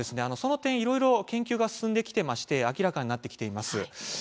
その点いろいろと研究が進んできていまして明らかになってきています。